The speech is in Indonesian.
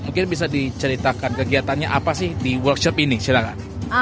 mungkin bisa diceritakan kegiatannya apa sih di workshop ini silakan